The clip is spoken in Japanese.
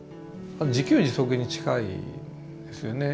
自給自足に近いですよね。